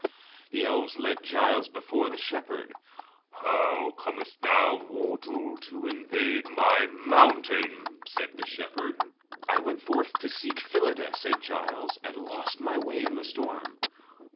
The elves led Giles before the Shepherd. "How comest thou, mortal, to invade my mountain?" said the Shepherd. "I went forth to seek Phyllida," said Giles, "and lost my way in the storm."